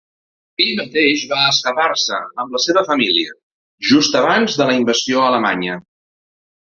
Ell mateix va escapar-se, amb la seva família, just abans de la invasió alemanya.